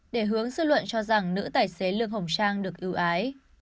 để hướng sư luận cho rằng nữ tài xế lương hồng trang được ưu ái